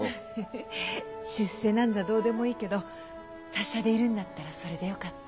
ハハ出世なんざどうでもいいけど達者でいるんだったらそれでよかった。